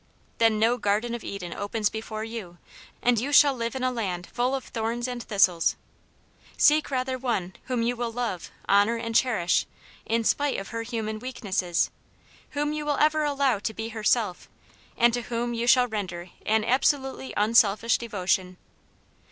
Then no Garden of Eden opens before you, and you shall live in a land full of thorns and thistles. Seek rather one whom you will love, honour, and . cherish, in spite of her human weaknesses ; whoni^ 262 ' Aunt Jane's Hero. you will ever allow to be herself, and to whom you shall render an absolutely unselfish devotion.